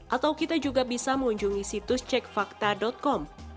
atau kita juga bisa mengunjungi situs cekvakta com